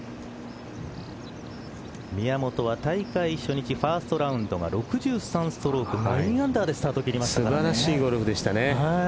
宮本は大会初日ファーストラウンドが６３ストローク、９アンダーでスタートを切りました。